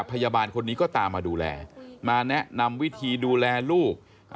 พยาบาลคนนี้ก็ตามมาดูแลมาแนะนำวิธีดูแลลูก